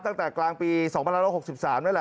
ตั้งแต่กลางปี๒๑๖๓นั่นแหละ